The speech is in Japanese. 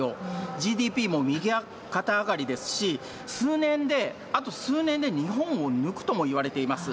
ＧＤＰも右肩上がりですし、数年で、あと数年で日本を抜くともいわれています。